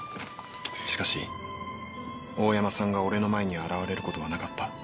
しかし大山さんが俺の前に現れる事はなかった。